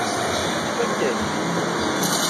Tfakk-ak-t.